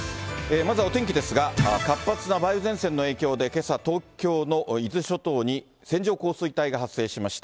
まずはお天気ですが、活発な梅雨前線の影響で、けさ、東京の伊豆諸島に線状降水帯が発生しました。